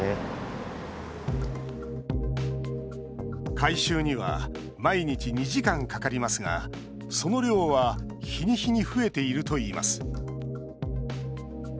回収には毎日２時間かかりますがその量は日に日に増えているといいます。